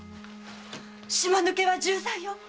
島抜けは重罪よ！